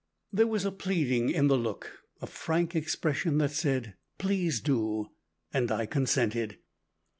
There was a pleading in the look, a frank expression that said, Please do, and I consented.